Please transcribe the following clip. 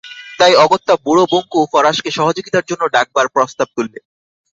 তাই অগত্যা বুড়ো বঙ্কু ফরাশকে সহযোগিতার জন্যে ডাকবার প্রস্তাব তুললে।